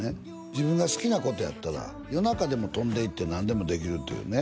自分が好きなことやったら夜中でも飛んでいって何でもできるというね